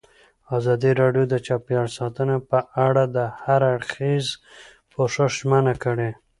ازادي راډیو د چاپیریال ساتنه په اړه د هر اړخیز پوښښ ژمنه کړې.